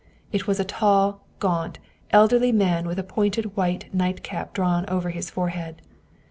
It was a tall, gaunt, elderly man with a pointed white night cap drawn over his forehead.